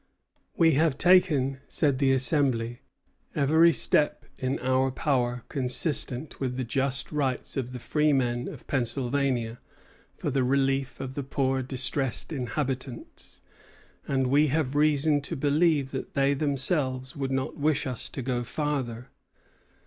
"We have taken," said the Assembly, "every step in our power, consistent with the just rights of the freemen of Pennsylvania, for the relief of the poor distressed inhabitants; and we have reason to believe that they themselves would not wish us to go farther.